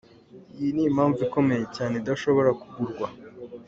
Iyi ni impamvu ikomeye cyane idashobora kugurwa!